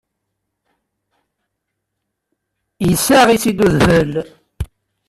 Yessaɣ-itt-id udfel.